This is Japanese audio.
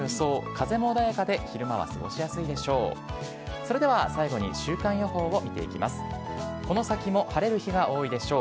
風も穏やかで、昼間は過ごしやすいでしょう。